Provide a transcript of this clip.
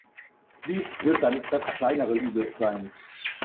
Dies wird dann das kleinere Übel sein.